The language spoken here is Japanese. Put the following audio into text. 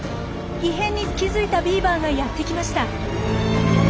異変に気付いたビーバーがやって来ました。